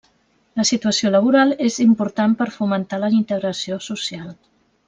La situació laboral és important per fomentar la integració social.